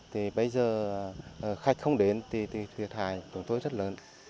thì bây giờ khách không đến thì thiệt hại chúng tôi rất lớn